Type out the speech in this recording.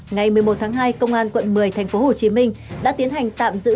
ngày một mươi một tháng hai công an quận một mươi thành phố hồ chí minh đã tiến hành tạm giữ